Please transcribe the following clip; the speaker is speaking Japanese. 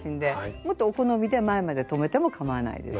もっとお好みで前まで留めてもかまわないです。